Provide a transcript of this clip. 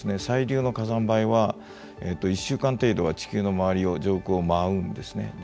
細粒の火山灰は１週間程度は地球の周りを上空を舞うんですね。